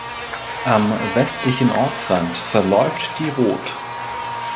Am westlichen Ortsrand verläuft die Roth.